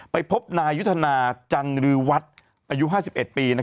ไปพบนายุทธนาจันรือวัดอายุ๕๑ปี